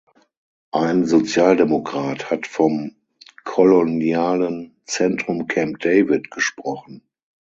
Ein Sozialdemokrat hat vom "kolonialen Zentrum Camp David" gesprochen.